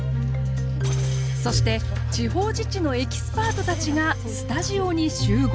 そして地方自治のエキスパートたちがスタジオに集合！